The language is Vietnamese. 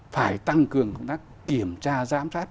phải tăng cường công tác kiểm tra giám sát